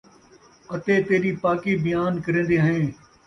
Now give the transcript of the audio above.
اَتے تیݙی پاکی بیان کریندے ہیں،